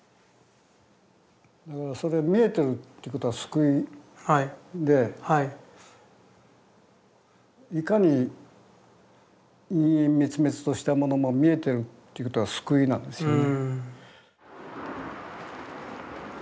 だからそれ見えてるってことは救いでいかに陰陰滅滅としたものも見えてるっていうことは救いなんですよね。